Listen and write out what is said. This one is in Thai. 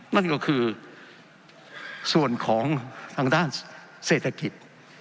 นั่นก็คือส่วนของทางด้านเศรษฐกิจ